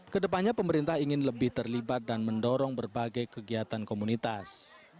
kedepannya pemerintah ingin lebih terlibat dan mendorong berbagai kegiatan komunitas